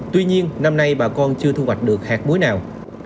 tuy nhiên năm nay bà con chưa thu hoạch được hạt muối nào